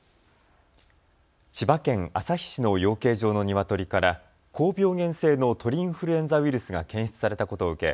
千葉県旭市の養鶏場のニワトリから高病原性の鳥インフルエンザウイルスが検出されたことを受け